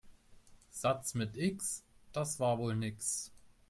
Satz mit X, das war wohl nix.